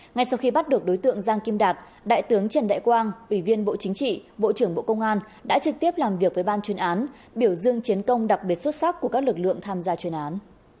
ngay sau khi bắt được đối tượng giang kim đạt đại tướng trần đại quang ủy viên bộ chính trị bộ trưởng bộ công an đã trực tiếp làm việc với ban chuyên án biểu dương chiến công đặc biệt xuất sắc của các lực lượng tham gia chuyên án